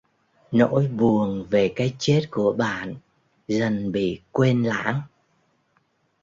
Nỗi buồn về cái chết của bạn dần bị quên lãng